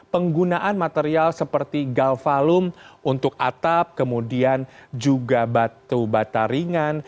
penggunaan material seperti galvalum untuk atap kemudian juga batu bata ringan